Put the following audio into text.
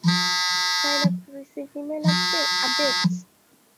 Sign Up to Receive Email Updates